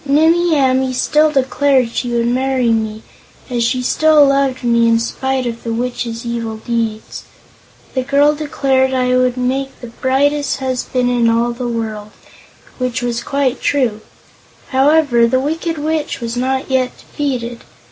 "Nimmie Amee still declared she would marry me, as she still loved me in spite of the Witch's evil deeds. The girl declared I would make the brightest husband in all the world, which was quite true. However, the Wicked Witch was not yet defeated.